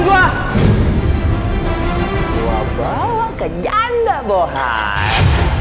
gua gua bawa ke janda bohan